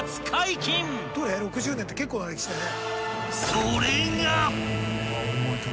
［それが］